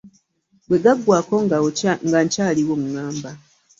Bwe gaggwaako nga nkyaliwo oŋŋamba.